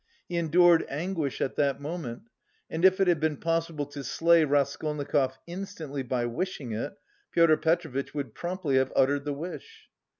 He endured anguish at that moment, and if it had been possible to slay Raskolnikov instantly by wishing it, Pyotr Petrovitch would promptly have uttered the wish.